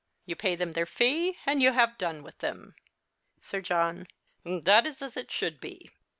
You pay them their fee, and you have done Avitli them. Sir John. That is as it should be.